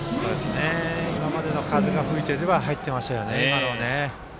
今までの風が吹いていれば入っていましたね、今のは。